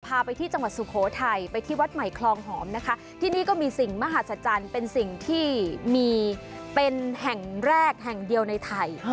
พาไปที่จังหวัดสุโขทัยไปที่วัดใหม่คลองหอมนะคะที่นี่ก็มีสิ่งมหาศจรรย์เป็นสิ่งที่มีเป็นแห่งแรกแห่งเดียวในไทย